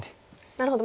なるほど。